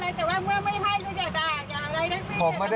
อย่าอะไรนะครับพี่ทำไมใส่ไม่ดี